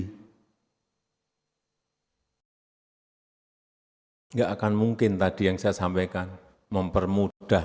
tidak akan mungkin tadi yang saya sampaikan mempermudah